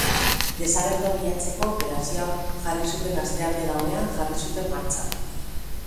Desagertua bilatzeko operazioa jarri zuten astearte gauean jarri zuten martxan.